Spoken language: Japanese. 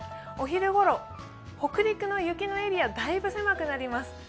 お昼頃、北陸の雪のエリアだいぶ狭くなります。